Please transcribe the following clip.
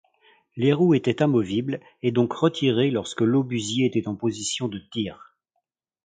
Les roues étaient amovibles et donc retirées lorsque l'obusier était en position de tir.